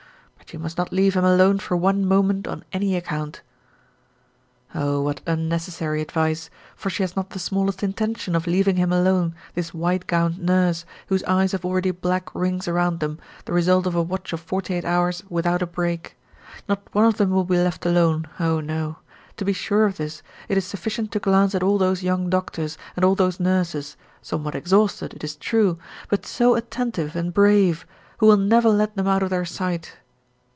But you must not leave him alone for one moment on any account." Oh, what unnecessary advice, for she has not the smallest intention of leaving him alone, this white gowned nurse, whose eyes have already black rings around them, the result of a watch of forty eight hours without a break. Not one of them will be left alone, oh no! To be sure of this, it is sufficient to glance at all those young doctors and all those nurses, somewhat exhausted, it is true, but so attentive and brave, who will never let them out of their sight.